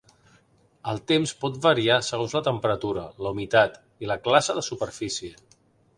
El temps pot variar segons la temperatura, la humitat i la classe de superfície.